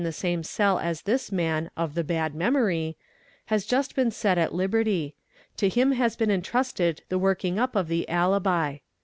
29 is ' the same cell as this man "of the bad memory," has just been set at liberty ; to him has been entrusted the working up of the alibi.